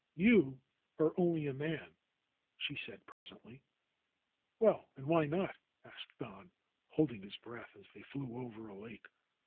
"You are only a man," she said presently. "Well and why not ?" asked Don, holding his breath as they flew over a lake.